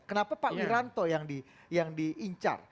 kenapa pak wiranto yang diincar